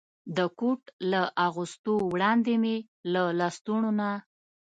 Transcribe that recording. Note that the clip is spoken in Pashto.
د کوټ له اغوستو وړاندې مې له لستوڼو نه.